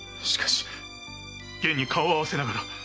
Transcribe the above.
しかし現に顔をあわせながら！